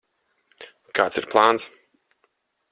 Kāds ir plāns?